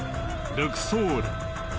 ルクソール。